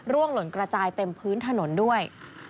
หล่นกระจายเต็มพื้นถนนด้วย